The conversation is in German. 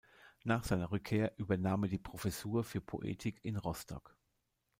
Nach seiner Rückkehr übernahm er die Professur für Poetik in Rostock.